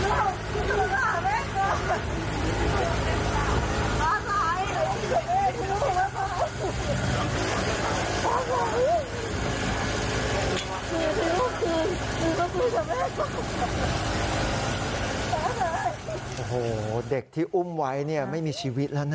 โอ้โหเด็กที่อุ้มไว้เนี่ยไม่มีชีวิตแล้วนะ